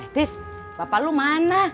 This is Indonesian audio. tis bapak lu mana